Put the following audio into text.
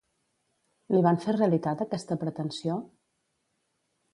Li van fer realitat aquesta pretensió?